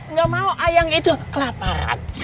nggak mau ayam itu kelaparan